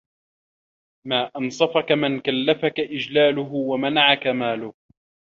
مَا أَنْصَفَك مَنْ كَلَّفَك إجْلَالِهِ وَمَنَعَك مَالِهِ